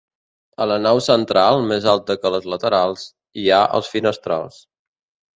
A la nau central, més alta que les laterals, hi ha els finestrals.